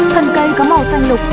thần cây có màu xanh lục